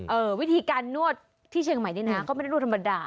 วิธีการนวดที่เชียงใหม่นี่นะก็ไม่ได้นวดธรรมดา